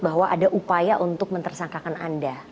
bahwa ada upaya untuk mentersangkakan anda